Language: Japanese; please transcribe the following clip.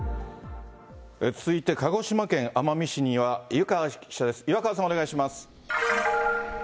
続いて鹿児島県奄美市には岩川記者です。